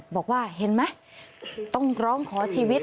บอกว่าเห็นไหมต้องร้องขอชีวิต